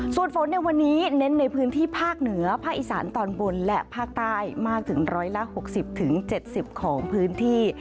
ส่วนฝนในวันนี้เน้นในพื้นที่ภาคเหนือภาคอีสานตอนบนและภาคใต้มากถึง๑๖๐๗๐ของพื้นที่